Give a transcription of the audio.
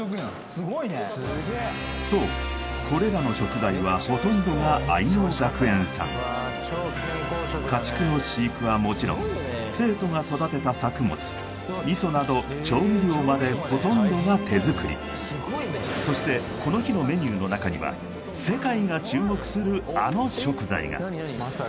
すごいねそうこれらの食材はほとんどが家畜の飼育はもちろん生徒が育てた作物味噌など調味料までほとんどが手作りそしてこの日のメニューの中にはお肉？